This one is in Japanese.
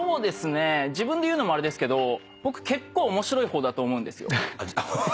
自分で言うのもあれですけど僕結構面白い方だと思うんですよ。